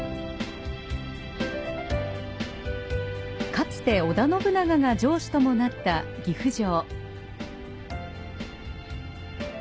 かつて織田信長が城主ともなった岐阜城。